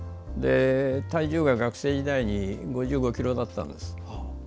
体重が学生時代に５５ｋｇだったんです。